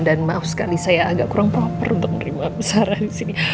dan maaf sekali saya agak kurang proper untuk menerima bu sarah di sini